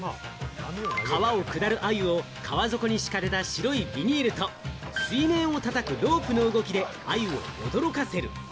川を下る鮎を川底に敷かれた白いビニールと水面をたたくロープの動きでアユを驚かせる。